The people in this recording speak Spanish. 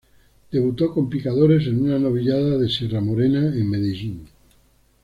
Debutó con picadores en una novillada de Sierra Morena en Medellín.